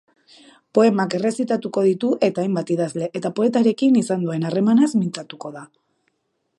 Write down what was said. Poemak errezitatuko ditu eta hainbat idazle eta poetarekin izan duen harremanaz mintzatuko da.